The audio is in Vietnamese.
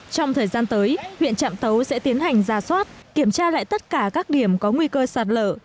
trong thời gian tới huyện trạm tấu sẽ tiến hành ra soát kiểm tra lại tất cả các điểm có nguy cơ sạt lở